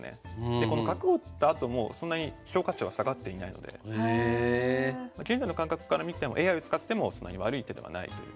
でこの角を打ったあともそんなに現在の感覚から見てもＡＩを使ってもそんなに悪い手ではないという。